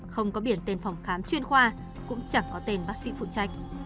không có biển tên phòng khám chuyên khoa cũng chẳng có tên bác sĩ phụ trách